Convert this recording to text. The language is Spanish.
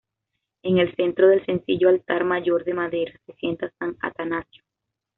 En el centro del sencillo altar mayor de madera, se sienta San Atanasio.